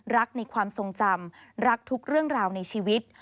รักในความทรงจำรักทุกเรื่องราวในชีวิต